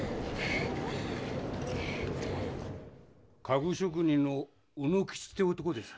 家具職人の卯之吉って男です。